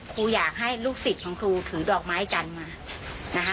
ครูอยากให้ลูกศิษย์ของครูถือดอกไม้จันทร์มานะคะ